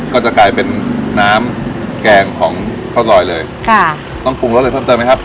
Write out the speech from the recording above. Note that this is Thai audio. ก็จะกลายเป็นน้ำแกงของข้าวซอยเลยค่ะต้องปรุงรสอะไรเพิ่มเติมไหมครับ